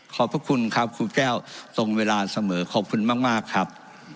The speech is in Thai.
พระคุณครับครูแก้วทรงเวลาเสมอขอบคุณมากครับ